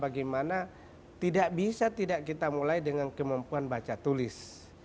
bagaimana tidak bisa tidak kita mulai dengan kemampuan baca tulis